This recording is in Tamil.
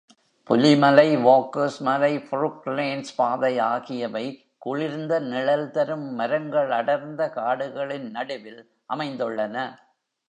புலிமலை, வாக்கர்ஸ் மலை, புரூக்லேண்ட்ஸ் பாதை ஆகியவை குளிர்ந்த நிழல் தரும் மரங்களடர்ந்த காடுகளின் நடுவில் அமைந்துள்ளன.